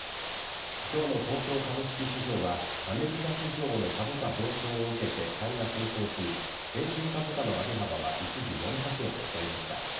今日の東京株式市場はアメリカ市場の株価上昇を受けて買いが先行し平均株価の上げ幅は一時、４００円を超えました。